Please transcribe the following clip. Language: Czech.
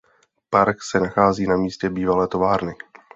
Park se nachází na místě bývalé továrny.